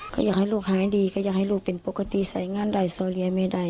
แกหย่ารูปหายดีก็อยากให้รูปเป็นปกติใส่งานได้